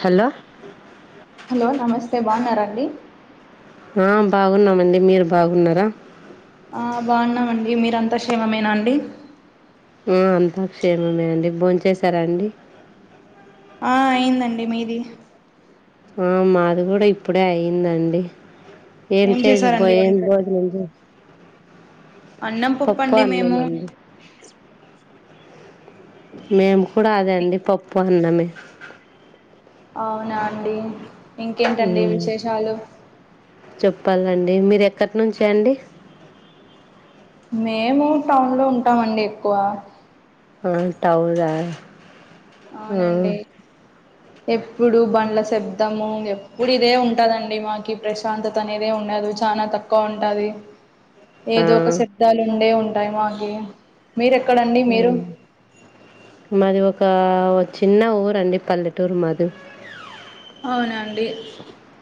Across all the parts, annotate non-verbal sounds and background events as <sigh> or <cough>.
Hello hello నమస్తే బాగున్నర అండి ఆ బాగున్నామండి మీరు బాగున్నార ఆ బాగున్నామండి మీర అంతా క్షేమమేనా అండి ఊ అంత క్షేమమే అండి భో చేసారా అండి ఆ అయిందండి మీది ఆ మాది గుడ ఇప్పుడే అయిందండి ఎం ఏం <unintelligible> చేశారండి ఎం వంట భోజనం అన్నం పప్పు పొప్పండి అన్నం మేము అండి మేము కూడ అదే అండి పొప్పు అన్నమే అవునా అండి ఇంకేంటండి ఉమ్, విశేషాలు డి మీరు ఎక్కడి నుంచి అండి మేము టౌన్ లో ఉంటామండి ఎక్కువ ఆ టౌనా ఆ, అవునండి ఎప్పుడు బండ్ల శబ్దము ఎప్పుడు ఇదే ఉంటదండి మాకి ప్రశాంతత అనేదే ఉండ అ చాలా తక్కువ ఉంటది అ ఏదో ఒక శబ్దాలు ఉండే ఉంటాయి మాకి మీరెక్కడండి మీరు మాది ఒక చిన్న ఊరండి పల్లెటూరు మాది అవునండి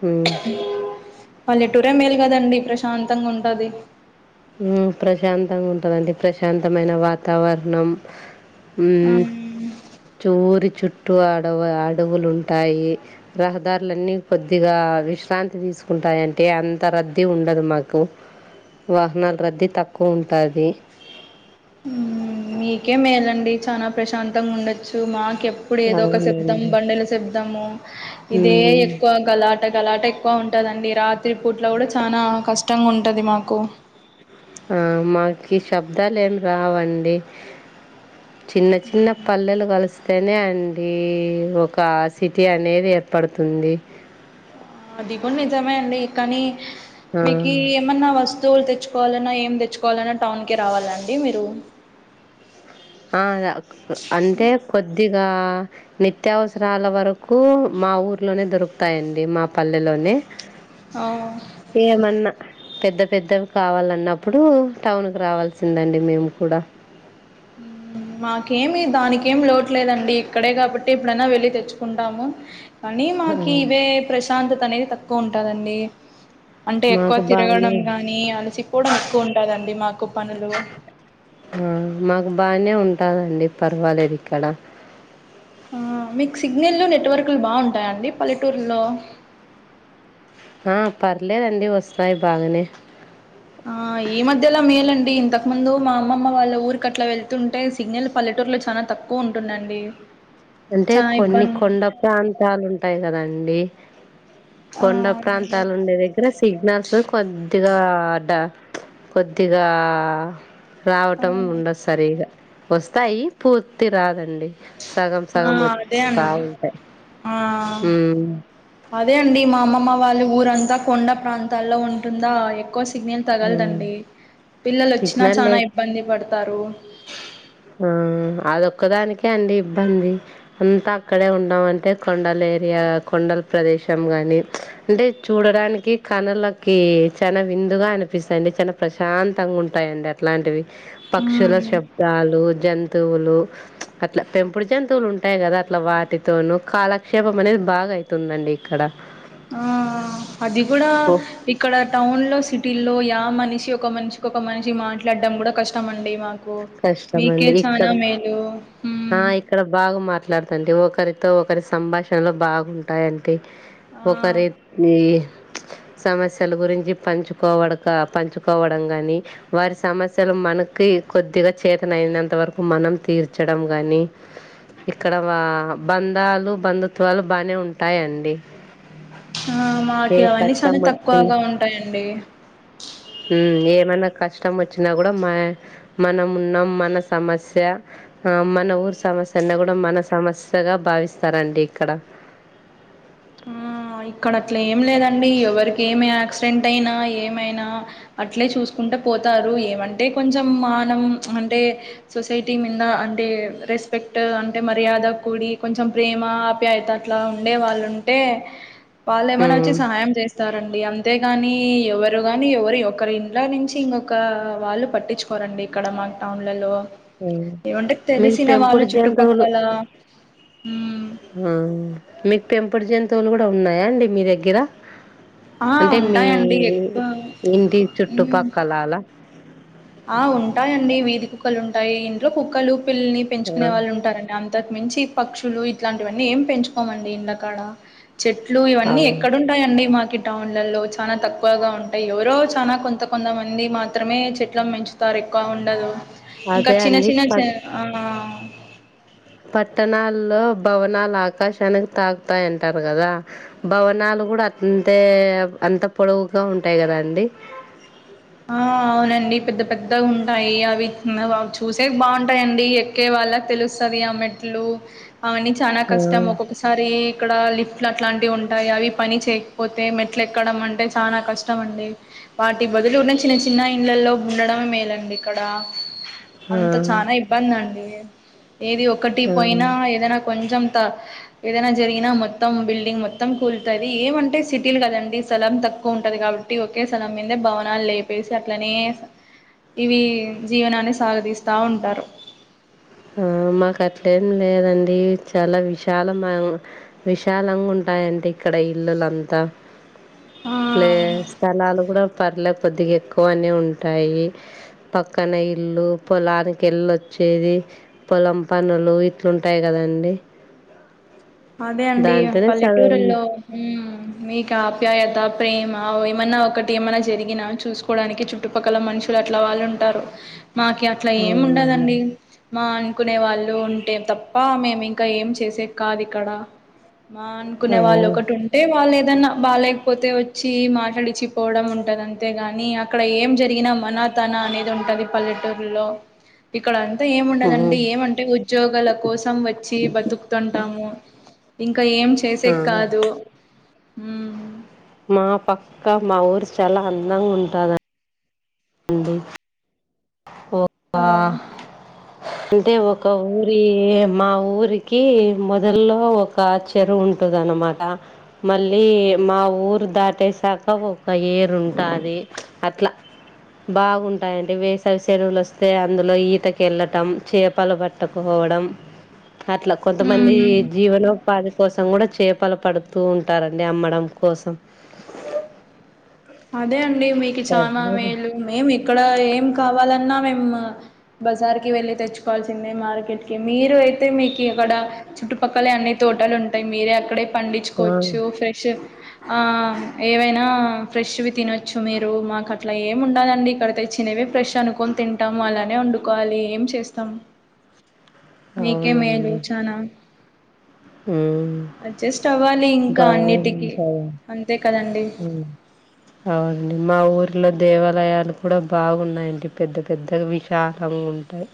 హ్మ్ పళ్ల్లెటూరే మేల్ కదండి ప్రశాంతంగా ఉంటది హ్మ్ ప్రశాంతంగా ఉంటదండి ప్రశాంతమైన వాతావరణం హ్మ్ చోరు చుట్ టు అడ అడవులు ఉంటాయి రహదారులన్నీ కొద్దిగా విశ్రాంతి తీసుకుంటు ఉంటాయింటే అంత రద్దీ ఉండదు మాకు వాహనాల రద్దీ తక్కువ ఉంటది మీకే మేలండి చాలా ప్రశాంతంగా ఉండొచ్చు మా ఎప్పుడు ఏదో ఒక శబ్దం అవునండి బండల శబ్దము ఇదే మ్మ్. ఎక్కువ గలా పంటగలాట ఎక్కువ ఉంటదండి రాత్రి పూట్లో కూడా చనా కష్టంగా ఉంటది మాకు ఆ మాకి శబ్దాలు ఏం రావండి చిన్న చిన్న పల్లెలు కలిస్తేనే అడి ఒక సిటీ అనేది ఏర్పడుతుంది అది కూడా నిజమే అండి కానీ ఆ, మీకి ఏమన్నా వస్తు తులు తెచ్చుకోవాలన్నా ఏం తెచ్చుకోవాలన్నా టౌన్ కే రావాలండి మీరు ఆ అంటే కొద్ది ఇక నిత్యావసరాల వరకు మా ఊర్లోనే దొరుకుతాయిండి మా పల్లెలోనే ఆ ఏమన్న పెద్ద పెద్దవి కావాలన్నప్పుడు టౌన్ కు రావాల్సిందండి మేము కూడా హ్మ్ మాకేమి దానికేమి లోటు లేదండి ఇక్కడే కాబట్టి ఇప్పుడైనా వెళ్లి తెచ్చుకుంటాము కానీ మాకి ఇవే ప్రశాంతత అనేది తక్కువ ఉంటదండి అంటే ఎక్కువ మాకు బానే తిరగడం గాని అలసిపోవడం ఎక్కువ ఉంటదండి మాకు పనులు ఆ మాకు బానే ఉంటాందండి పర్వాలేదు ఇక్కడ ఆ మీకు సిగ్నల్ నెట్వర్కులు బాగుంటాయండి పల్లెటూరులో ఆ పర్లేదండి వస్తాయి బాగానే ఆ ఈ మధ్యలోలా మేలండి ఇంతకు ముందు మా అమ్మమ్మ వాళ్ళ ఊరికి అలా వెళ్తుంటే సిగ్నల్ పల్లెటూరులో చాలా తక్కువ ఉంటుందండి అంటే చాలా కొన్ని ఇబ్బంది కొండ ప్రాంతాలు ఉంటాయి కదాండి ఆ కొండ అవునండి ప్రాంతాలు ఉండే దగ్గర సిగ్నల్స్ కొద్దిగా అడ కొద్దిగా ఆ రావటం ఉండదు సరిగా వస్తాయి పూర్తి రాదండి సగం సగం ఆ అదే వాస్త అండి ఉంటాయి ఆ అదే అండి మా అమ్మమ్మ వాళ్ళు ఊరంతా కొండ ప్రాంతాల్లో ఉంటుందా ఎక్కువ సిగ్నల్ ఉమ్ తగలదండి పిల్లలు ఒచ్చినా సిగ్నల్ లే చాన ఇబ్బంది పడతారు ఆ అ ఒక్కదానికే అండి ఇబ్బంది అంతా అక్కడే ఉండమంటె కొండలేరి ఆ కొండల ప్రదేశం గాని అంటె చూడడానికి కనులకి చాన వింత వింత గా అనిపిస్తదండి చాలా ప్రశాంతంగ ఉంటాయండి అట్లాంటివి పక్షుల శబ్ద్ అడవు జంతువులు అట్ల పెంపుడు జంతువులు ఉంటయి కద అ వాటి తోను కాలక్షేప్ జేపం అనేది బాగా అయితుందండి ఇక్కడ <inaudible> ఆ అది కూడ ఓ ఇక్కడ టౌన్ లో, సిటీ లో యా మనిషి ఒక మనిషికి ఒక మనిషి మాట్లాడడం కూడ కష్టమండి మాకు మీకే కష్టమండి చానా ఇక్కడ మేలు ఆ మ్మ్ ఇక్కడ బాగ మార్ మాట్లాడుతుంటె ఒకరితో ఒకరి సంభాషణలో బాగుంటాయండి ఆ ఒక రే ఇహ్ సమస్యల గురించి పంచుకోవడక పంచుకోవడం కాని వారి సమస్యలు మనకి కొద్దిగ చేతన అయినంత వరకు మనం తీర్చడం గాని ఇక్కడ వా బంధాలు బంధుత్వాలు బానే ఉంటాయండి. ఆ మాకి ఏ అవన్నీ చాల తక్కువగా ఉంటాయండి. ఉమ్ ఏమైన్న కష్టం అచ్చినా కూడా మా మనం ఉన్నం మన సమస్య ఆ మన ఊరు సమస్య అన్నా కూడ మన సమస్యగా భా భావిస్తారండి ఇక్కడ ఆ ఇక్కడ అట్ల ఏం లేదండి ఎవరికి ఏమి యాక్సిడెంట్ అయినా ఏమైనా అట్లే చూసుకున్ ఉంటె పోతారు ఏమంటె కొంచెం మానం అంటె సొసైటీ మింద అంటే రెస్ స్పెక్ట్ అంటె మర్యాద కూడి కొంచెం ప్రేమ ఆప్యాయత అట్లా ఉండే వాళ్ళు అంటే వాళ్ళు ఏమన్నా వచ్చి ఉమ్ సహాయం చేస్తారండి అంత అంతేగాని ఎవరు గాని ఎవరు ఒకరి ఇంట్లో నుంచి ఇంకొక వాళ్ళు పట్టిచుకోరండి ఇక్కడ మా క్డౌన్లలో ఏమంటె మీకు తెలిసిన వాళ్ళు చుట్టుపక్కల ఉమ్ ఉహ్మ్ మీకు పెంపుడు జంతువులు కూడ ఉన్నాయా అండి మీ దగ్గర ఆ అంటె మీ ఉంటాయండి ఎక్కువ ఇంటి ఉమ్ చుట్టుపక్కల అల ఆ ఉంటాయండి వీధి కుక్కలు ఉంటాయి ఇంట్లో కుక్కలు, పిల్లిని ఆ పెంచుకునే వాళ్ళు ఉంటారంట అంతకు మించి పక్షులు ఇట్లాంటివన్నీ ఏం పెంచుకోమండి ఇండ్లకాడ చెట్లు ఇవన్నీ అవును ఎక్కడ ఉటాయండి మాకు టౌన్లలో చాలా తక్కువగా ఉంటాయి ఎవరో చాన కొంత కొంతమంది మాత్రమే చెట్ చెట్లను పెంచుతారు ఎక్కువ ఉండదు ఇంకా అదే చిన్న అండి చిన్న ప చ ఆ పట్టణాల్లో భవనాలు ఆకాశానికి తాకుతాయంటారు కదా భవనాలు కూడ అంతే అంత పొడవుగా ఉంటాయి కదా అండి ఆ అవునండి పెద్ద పెద్దగ ఉంటాయి అవి వా చూసేకి బాగుంటాయండి ఎక్కే వాళ్ళకి తెలుస్తది ఆ మెట్లు అ అండి చాల ఆ కష్టం ఒక్కొక్కసారి ఇక్కడ లిఫ్ట్ ల అట్లాంటివి ఉంటాయి అవి పని చేయకపోతే మెట్లు ఎక్కడం అంటె చాలా కష్టం అండి వాటి బదు బదులు చిన్న చిన్న ఇండ్లల్లో ఉండడం మేలండి ఇక్కడ ఆ అంత చాన ఇబ్బంది అండి ఏది ఒకటి పోయినా ఆ ఏదైనా కొంచెం త ఏదైనా జరిగినా మొత్తం బిల్డింగ్ మొత్తం కూలుతది ఏమంటె సిటీలు కదండి స్థలం తక్ తక్కువ ఉంటది కాబట్టి ఒకే స్థలం మీద్నే భవనాలు లేపేసి అట్లనే ఇవి జీవనాన్ని సాగదీస్తా ఉంటారు ఆ మాకు అట్లేం లేదండి చాలా విశాల మ విశాలంగా ఉంటు ఉంటాయి అండి ఇక్కడ ఇల్లులంతా ఆ ప్లేస్ స్థలాలు కూడా పర్లే కొద్దిగా ఎక్కువనే ఉంటాయి పక్కన ఇల్లు పొలానికి ఎల్లోచ్ చేది పొలం పనులు ఇట్లుంటాయి కదండి అదే అండి దాంతోనే సగం పల్లెటూరులో హ్మ్ మీకా ఆప్యాయత ప్రేమ ఆవ్ ఏమన్నా ఒకటి ఏమన్నా జరిగినా చూసుకోవడానికి చుట్టుపక్కల మనుషులు అట్లా వాళ్ళు ఉంటారు మాకి అట్లా ఏమి అవునండి ఉండదండి మా కునే వాళ్ళు ఉంటే తప్ప మేము ఇంకా ఏం చేసే కాదు ఇక్కడ మా అనుకునే ఆ వాళ్ళు ఒకటి ఉంటే వాళ్ళు ఎ ఏదన్నా బాలేకపోతే వచ్చి మాట్లాడిచపోవడం ఉంటది అంతేగాని అక్కడ ఏం జరిగినా మన తన అనేది ఉంటది పల్లెటూరులో ఇక్కడ అం టే ఆ ఏముండదండి ఏమంటే ఉద్యోగాల కోసం వచ్చి బతుకుతుంటాము ఇంకా ఏం ఆ చేసేకి కాదు హ్మ్ మా పక్క మా ఊరు చాలా అందంగా ఉంటద అండి ఓ ఆ అంటే ఒక ఊరి మా ఊరికి మొదలో ఒక చెరువు ఉం ఉంటది అన్నమాట మళ్ళీ మా ఊరు దాటేసాక ఒక ఎరు ఉంటది అట్లా బాగుంటాయి అంట వేస్ <unintelligible> సెరువులు వస్తే అందులో ఈతకి వెళ్ళటం చేపలు పట్టకుపోవడం అట్లా కొంతమంది ఉమ్ జీవనోపాధి కోసం కూడా చేపలు పడుతూ ఉంటారండి అమ్మడం కోసం అదే అండి మీకు చాలా పర్లేదు. మేలు మేము ఇక్కడ ఏం కావాలన్నా మేము బజార్ కి వెళ్ళి తెచ్చుకోవాల్సిందే మార్కెట్ కి మీరు అయితే మీకి ఇక్కడ చుట్టుపక్కల అన్ని తోటాలు ఉంటాయి మీరే అక్కడే ఆ పండించుకోవచ్చు ఫ్రెష్ ఆ ఏవైనా ఫ్రెష్ వి తినొచ్చు మీరు మాకు అట్లా ఏమి ఉండదండి ఇక్కడ తెచ్చినేవే ఫ్రెష్ అనుకొని తింటాము అలానే వండుకోవాలి ఏం చేస్తాం మీకే మేలు అవునండి చానా <inaudible> హ్మ్ అడ్జస్ట్ అవ్వాలి ఇంకా అన్నిటికి <unintelligible> అంతే కదండి హ్మ్ అవునండి మా ఊర్లో దేవాలయాలు కూడా బాగున్నాయండి పెద్ద పెద్ద విశాలం ఉంటాయ్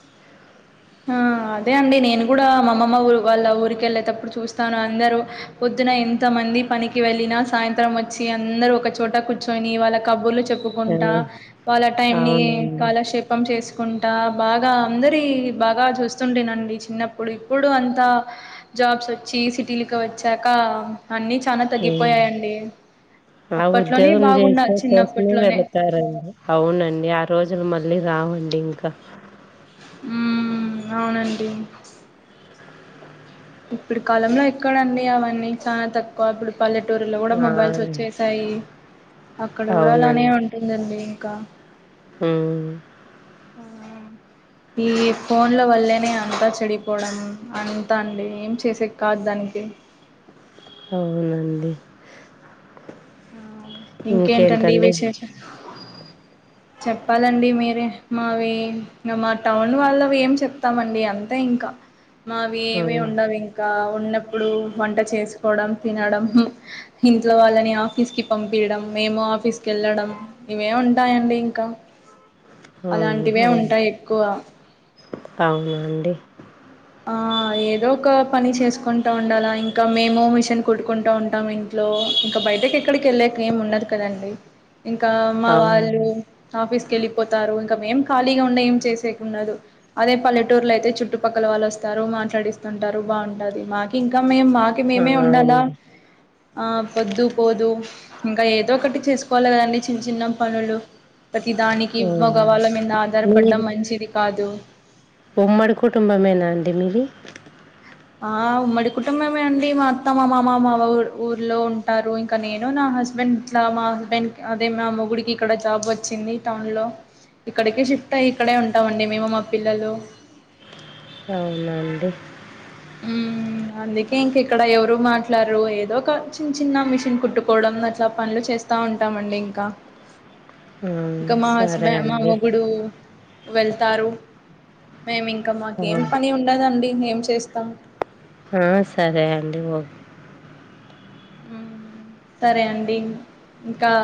ఆ అదే అండి నేను కూడా మా అమ్మమ్మ ఊరు వాళ్ళ ఊరికి వెళ్ళేటప్పుడు చూస్తాను అందరు పో ద్దున ఎంత మంది పనికి వెళ్ళిన సాయంత్రం వచ్చి అందరు ఒక చోట కూర్చొని వాళ్ళ కబుర్లు ఆ! చెప్పుకుంటా వాళ్ళ టైం ని అవునండి. కాలక్షేపం చేసుకుం ట బాగా అందరి బాగా చూస్తుంటునండి చిన్నప్పుడు ఇప్పుడు అంతా జాబ్స్ వచ్చి సిటీలికి వచ్చాకా ఆ చానా హ్మ్. తగ్గిపోయాయండి ఆ అప్పట్లోనే ఉద్యోగం బాగుండ చేసే కోసమే చిన్నప్పట్లోనే వెళ్తారు అండి అవునండి ఆ రోజులు మళ్ళీ రావండి ఇంక హ్మ్ అవునండి ఇప్పుడు కాలంలో ఎక్కడండి అవన్నీ చాలా తక్కువ ఇప్పుడు పల్లెటూరులో కూడా ఆ! మొబైల్స్ వచ్చేసాయి అక్కడ కూడా అలానే అవునండి. ఉంటుందండి కా హ్మ్ ఈ ఫోన్ లో వల్లేనే అంతా చెడిపోవడం అంతా అండి ఏం చేసే కాదు దాని డి అవునండి ఆ ఇంకేంటండి విశేషం చెప్పాలండి మీరే మావి మా టౌన్ వాళ్ళం ఏం చెప్తామండి అంతా ఇం ఇంకా మావి ఏమి హ్మ్. ఉండవు ఇంకా ఉన్నప్పుడు వంట చేసుకోవడం తినడం ఇంట్లో వాళ్ళని ఆఫీస్కి పంపియాడం మేము ఆఫీస్కి వెళ్ళడం ఇవే ఉంటాయండి ఇంకా హ్మ్. అలాంటివే అవు ఉంటాయి ఎక్కువ బడి ఆ ఏదో ఒక పని చేసుకుంటా ఉండాలా ఇంకా మేము మిషన్ కుట్టుకుంటా ఉంటాం ఇంట్లో ఇంకా బయటకి ఎక్కడికి వెళ్ళాక ఏం ఉండదు కదండి ఇంకా మా అవును. వాళ్ళు ఆఫీస్ కి వెళ్ళిపోతారు ఏం ఖాళీగా ఉండే ఏం చేసేండదు అదే పల్లెటూర్లో అయితే చుట్టుపక్క క్కల వాళ్ళు వస్తారు మాట్లాడిస్తుంటారు బాగుంటది మా ఇంకా మేము మాకి ఆ! మేమే ఉండాల అవునండి. ఆ పొద్దు పోదు ఇంకా ఏదో ఒకటి చేసుకోవాలి కదండి చిన్న చిన్న పనులు ప్రతి దానికి హ్మ్. మగవాళ్ళ మీద ఆధారపడ్డం మీది మంచిది కాదు ఉమ్మడి కుటుంబమేనా అండి మీది ఆ ఉమ్మడి కుటుంబమే అండి మా అత్తా మా మామ మా ఊ ఊర్లో ఉంటారు ఇంకా నేను నా మా హస్బెండ్ ఇట్లా మా హస్బెండ్ అదే మా మొగుడికి ఇక్కడ జాబ్ వచ్చింది టౌన్ లో ఇక్కడికే షిఫ్ట్ అయ్యి ఇక్కడే ఉంటాండి మేము మా పిల్లలు అవునా అండి ఉమ్ అ అందుకే ఇంక ఇక్కడ ఎవరు మాట్లారు ఏదో ఒక చిన్న చిన్న మిషన్ కుట్టుకోవడం అట్లా పనులు చేస్త వస్తా ఉంటామండి ఇంకా ఆ ఇంకా మా సరే హస్బెండ్ మా అండి మొగుడు వెళ్తారు మేము ఇంకా ఆ మాకి ఏం పని ఉండదండి ఏం చేస్తాం ఆ సరే అండి ఓ సరే అండి ఇంకా